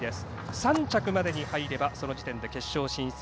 ３着までに入ればその時点で決勝進出。